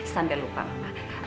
sampai lupa mama